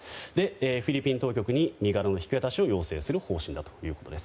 フィリピン当局に身柄の引き渡しを要請する方針だということです。